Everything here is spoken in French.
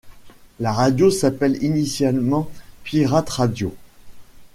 La radio s'appelle initialement Pirate Radio.